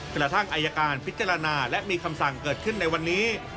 กระทั่งอายการพิจารณาและมีคำสั่งเกิดขึ้นในวันนี้